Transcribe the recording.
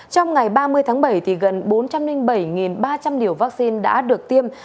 trong ngày ba mươi tháng bảy gần bốn trăm linh bảy ba trăm linh liều vaccine đã được tiêm